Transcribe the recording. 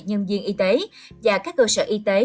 nhân viên y tế và các cơ sở y tế